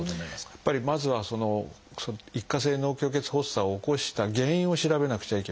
やっぱりまずはその一過性脳虚血発作を起こした原因を調べなくちゃいけません。